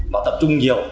và tập trung nhiều